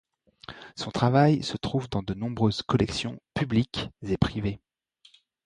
Son travail se trouve dans de nombreuses collections publiques et privées.